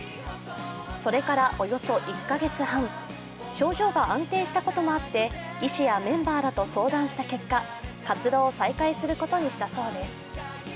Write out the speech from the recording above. それからおよそ１カ月半、症状が安定したこともあって、医師やメンバーらと相談した結果、活動を再開することにしたそうです。